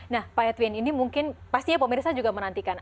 nah pak edwin ini mungkin pastinya pemirsa juga menantikan